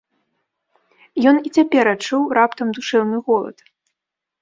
Ён і цяпер адчуў раптам душэўны голад.